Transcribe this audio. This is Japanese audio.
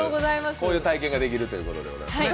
こういう体験ができるということでございますね。